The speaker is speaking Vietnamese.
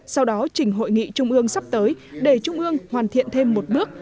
sau đó chỉnh hội nghị trung ương sắp tới để trung ương hoàn thiện thêm một bước